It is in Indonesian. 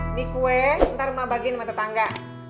ini kue ntar mau bagiin sama tetangga